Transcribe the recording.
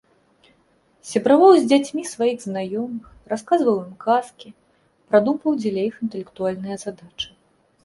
Сябраваў з дзяцьмі сваіх знаёмых, расказваў ім казкі, прадумваў дзеля іх інтэлектуальныя задачы.